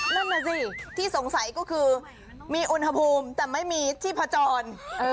นั่นน่ะสิที่สงสัยก็คือมีอุณหภูมิแต่ไม่มีที่ผจญ